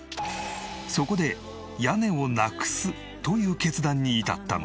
そこで屋根をなくすという決断に至ったのだ。